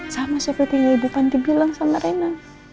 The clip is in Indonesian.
sama seperti yang ibu panti bilang sama rena